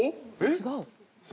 違う？